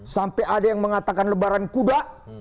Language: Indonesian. sampai ada yang mengatakan lebaran kuda